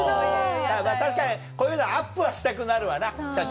まぁ確かにこういうのアップはしたくなるわな写真で。